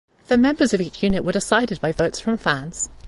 The members of each unit were decided by votes from fans.